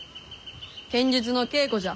剣術の稽古じゃ。